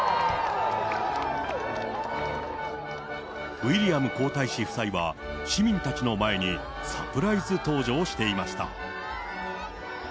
ウィリアム皇太子夫妻は市民たちの前にサプライズ登場していました。